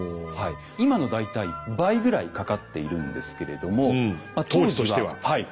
今の大体倍ぐらいかかっているんですけれども当時としてははい。